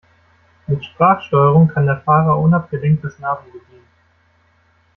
Mit Sprachsteuerung kann der Fahrer unabgelenkt das Navi bedienen.